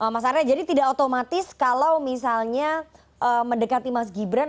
mas arya jadi tidak otomatis kalau misalnya mendekati mas gibran